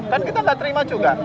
kan kita nggak terima juga